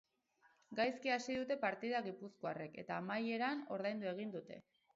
Gaizki hasi dute partida gipuzkoarrek eta amaieran ordaindu egin dute.